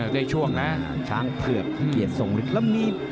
ได้ช่วงนะ